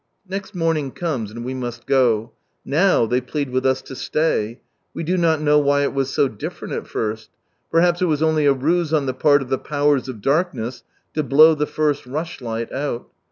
Next morning comes, and we must go. JVow they plead with us to stay : we do not know why it was so different at first ; perhaps it was only a ruse on the part of the powers of darkness to blow the first rushlight out.